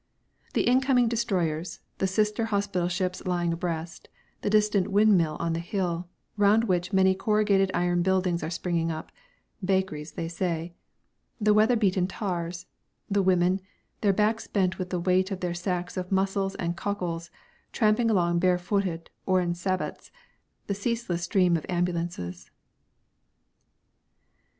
The incoming destroyers, the sister hospital ships lying abreast, the distant windmill on the hill, round which many corrugated iron buildings are springing up (bakeries, they say), the weather beaten tars, the women, their backs bent with the weight of their sacks of mussels and cockles, tramping along barefooted or in sabots, the ceaseless stream of ambulances.